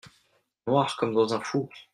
Noir comme dans un four.